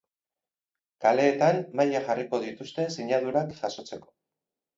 Kaleetan mahaiak jarriko dituzte sinadurak jasotzeko.